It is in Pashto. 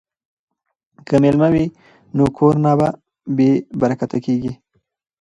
که میلمه وي نو کور نه بې برکته کیږي.